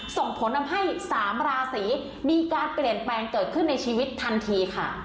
ส่งผลทำให้๓ราศีมีการเปลี่ยนแปลงเกิดขึ้นในชีวิตทันทีค่ะ